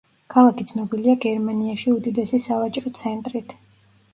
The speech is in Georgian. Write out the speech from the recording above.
ქალაქი ცნობილია გერმანიაში უდიდესი სავაჭრო ცენტრით.